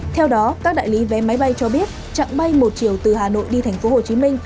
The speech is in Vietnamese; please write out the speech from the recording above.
theo đó các đại lý vé máy bay cho biết chặng bay một chiều từ hà nội đi thành phố hồ chí minh